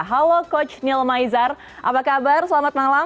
halo coach neil maizar apa kabar selamat malam